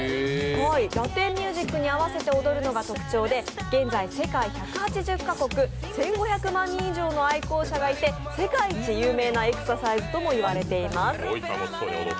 ラテンミュージックに合わせて踊るのが特徴で現在世界１８０カ国、１５００万人以上の愛好者がいて、世界一有名なエクササイズとも言われています。